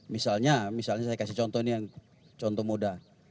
misalnya saya kasih contoh ini yang contoh muda